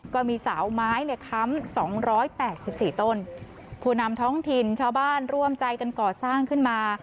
ก็มีสาวไม้เนี่ยค้ำสองร้อยแปดสิบสี่ต้นผู้นำท้องถิ่นชาวบ้านร่วมใจกันก่อสร้างขึ้นมา